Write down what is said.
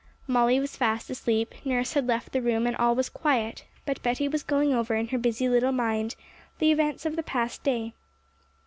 Molly was fast asleep; nurse had left the room, and all was quiet; but Betty was going over in her busy little mind the events of the past day.